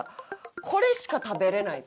これしか食べれないとか。